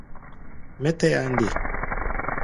Mɛ́ tɛa nde?